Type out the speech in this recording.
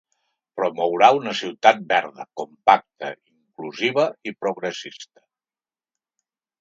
Promourà una ciutat verda, compacta, inclusiva i progressista.